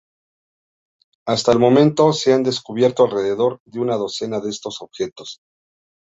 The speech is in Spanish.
Hasta el momento se han descubierto alrededor de una docena de estos objetos.